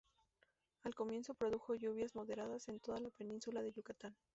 Al comienzo produjo lluvias moderadas en toda la península de Yucatán.